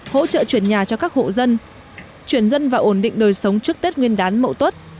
hỗ trợ chuyển nhà cho các hộ dân chuyển dân vào ổn định đời sống trước tết nguyên đán mẫu tốt